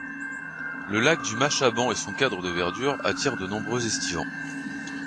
Le lac du Mas Chaban et son cadre de verdure attirent de nombreux estivants.